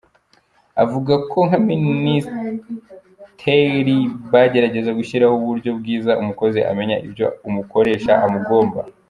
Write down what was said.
Avuga ko nka Minisiteri bagerageza gushyiraho uburyo bwiza umukozi amenya ibyo umukoreshja amugomba’.